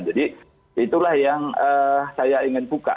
jadi itulah yang saya ingin buka